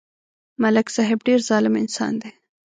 ملک صاحب ډېر ظالم انسان دی